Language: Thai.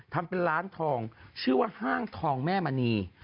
ทำเป็นร้านทองชื่อว่าห้างทองแม่มณี